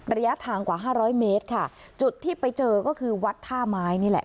ระยะทางกว่าห้าร้อยเมตรค่ะจุดที่ไปเจอก็คือวัดท่าไม้นี่แหละ